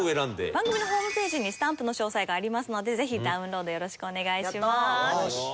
番組のホームページにスタンプの詳細がありますのでぜひダウンロードよろしくお願いします。